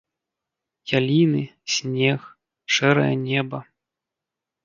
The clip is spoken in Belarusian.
Яліны, снег, шэрае неба.